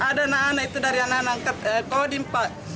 ada anak anak itu dari anak anak kodim pak